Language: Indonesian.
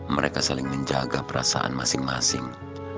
mereka saling menjaga perasaan masing masing